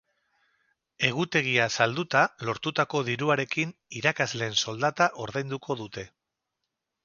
Egutegia salduta lortutako diruarekin irakasleen soldata ordainduko dute.